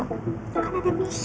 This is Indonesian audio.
kan ada michelle